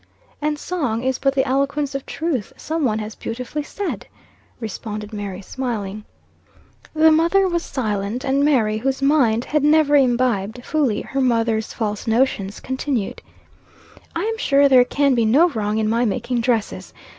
"And song is but the eloquence of truth, some one has beautifully said," responded Mary, smiling. The mother was silent, and Mary, whose mind had never imbibed, fully, her mother's false notions, continued "I am sure there can be no wrong in my making dresses.